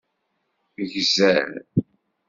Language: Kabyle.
Gzer.